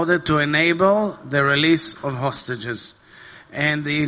untuk membolehkan penyelenggaraan penyelenggaraan